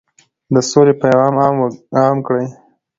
د سولې پیغام عام کړئ.